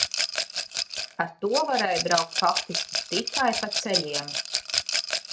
Ar to varēja braukt faktiski tikai pa ceļiem.